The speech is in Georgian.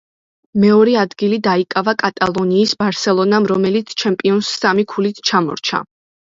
მეორე ადგილი დაიკავა კატალონიის „ბარსელონამ“, რომელიც ჩემპიონს სამი ქულით ჩამორჩა.